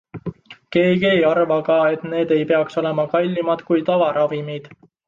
Keegi ei arva ka, et need ei peaks olema kallimad kui tavaravimid.